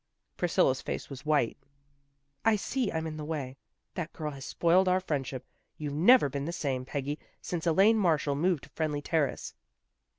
Priscilla's face was white. " I see I'm in the way. That girl has spoiled our friendship. You've never been the same, Peggy, since Elaine Marshall moved to Friendly Terrace."